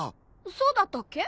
そうだったっけ？